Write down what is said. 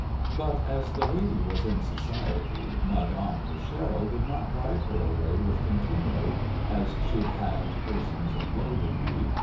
But as the lady was in society Madame Rachel did not drive her away with contumely, as she had persons of low degree.